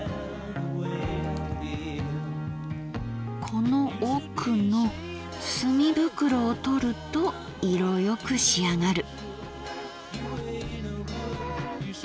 この奥の墨袋を取ると色よく仕上がる。